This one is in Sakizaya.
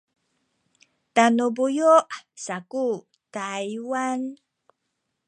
tanu buyu’ saku Taywan